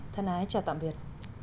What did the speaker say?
thân ái chào tạm biệt